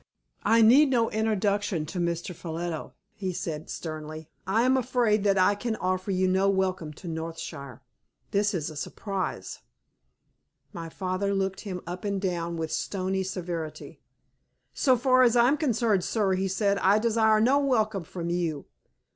"I need no introduction to Mr. Ffolliot," he said, sternly. "I am afraid that I can offer you no welcome to Northshire. This is a surprise." My father looked him up and down with stony severity. "So far as I am concerned, sir," he said, "I desire no welcome from you.